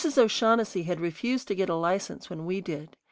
O'Shaughnessy had refused to get a license when we did.